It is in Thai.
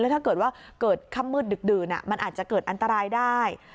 ถ้าเกิดว่าเกิดค่ำมืดดึกดื่นมันอาจจะเกิดอันตรายได้